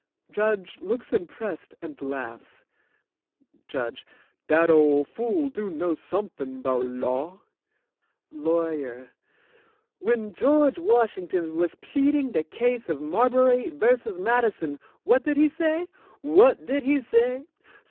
(JUDGE looks impressed and laughs) JUDGE Dat ole fool do know somethin' 'bout law. LAWYER When George Washington was pleading de case of Marbury vs. Madison, what did he say? What did he say?